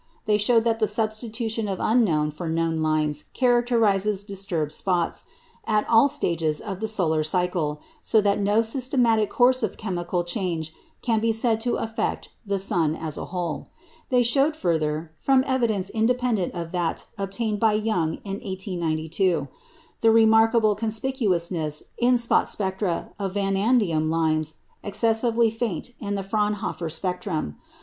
They showed that the substitution of unknown for known lines characterizes disturbed spots, at all stages of the solar cycle, so that no systematic course of chemical change can be said to affect the sun as a whole. They showed further from evidence independent of that obtained by Young in 1892 the remarkable conspicuousness in spot spectra of vanadium lines excessively faint in the Fraunhofer spectrum.